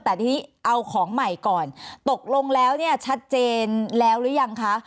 แต่ทีนี้เอาของใหม่ก่อนตกลงแล้วเนี่ยชัดเจนแล้วหรือยังคะ